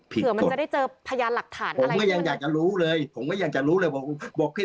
เผื่อมันจะได้เจอพยานหลักฐานผมก็ยังอยากจะรู้เลย